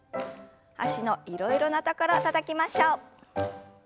脚のいろいろなところたたきましょう。